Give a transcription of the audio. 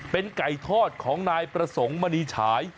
เป็นไก่ทอดของนายประสงค์มณีฉาย